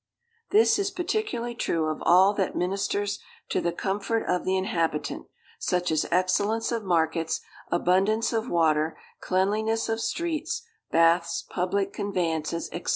This is particularly true of all that ministers to the comfort of the inhabitant—such as excellence of markets, abundance of water, cleanliness of streets, baths, public conveyances, &c.